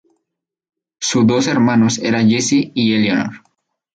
Su dos hermanos era Jessie y Eleanor.